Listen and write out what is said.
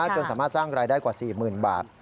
จนสามารถสร้างรายได้กว่า๔๐๐๐บาท